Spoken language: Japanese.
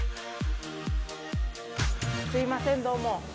すいませんどうも。